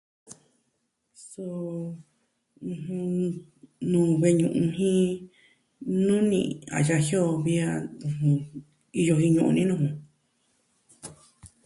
Su... ɨjɨn... nuu ve'i ñu'un jin nuni a yaji o vi a iyo vii ñu'un ni nuu ju.